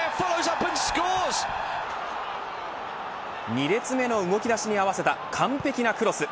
２列目の動き出しに合わせた完璧なクロス。